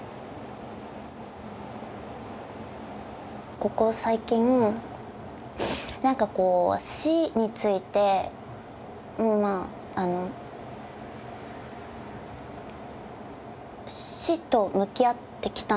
ここ最近何かこう死について。死と向き合ってきたんですね。